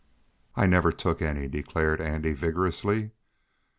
"I never took any!" declared Andy vigorously.